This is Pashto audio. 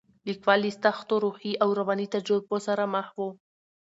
لیکوال له سختو روحي او رواني تجربو سره مخ و.